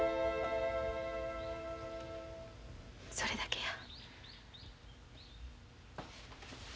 それだけや。